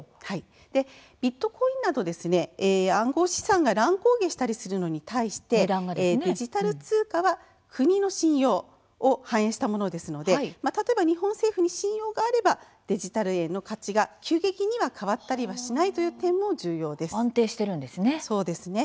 ビットコインなど暗号資産が乱高下したりするのに対してデジタル通貨は国の信用を反映したものですので例えば日本政府に信用があればデジタル円の価値が急激に変わったりもしない安定しているんですね。